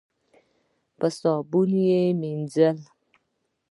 په صابون مینځلې.